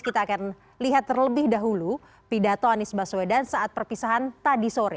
kita akan lihat terlebih dahulu pidato anies baswedan saat perpisahan tadi sore